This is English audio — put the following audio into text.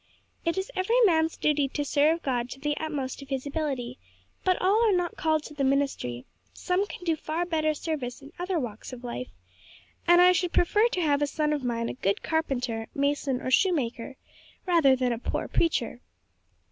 It is every man's duty to serve God to the utmost of his ability, but all are not called to the ministry; some can do far better service in other walks of life, and I should prefer to have a son of mine a good carpenter, mason or shoemaker, rather than a poor preacher."